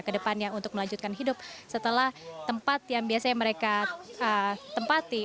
kedepannya untuk melanjutkan hidup setelah tempat yang biasanya mereka tempati